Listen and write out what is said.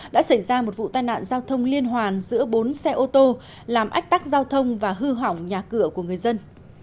đã xảy ra một vụ tai nạn giao thông liên hoàn giữa bốn xe ô tô làm ách tắc giao thông và hư hỏng nhà cửa của người dân